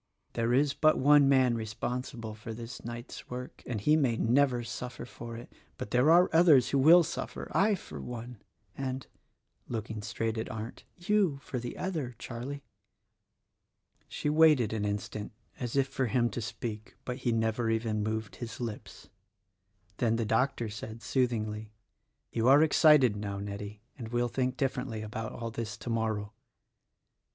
There is but one man responsible for this night's work — and he may never suffer for it. But there are others who will suffer: I for one, and," looking straight at Arndt, "you, for the other, Charlie." She waited an instant as if for him to speak; but he never even moved his lips. Then the doctor said, sooth ingly, "You are excited now, Nettie, and will think differ ently about all this tomorrow."